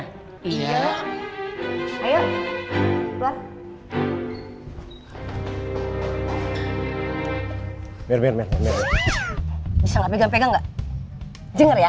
hai biar biar bisa pegang pegang enggak denger ya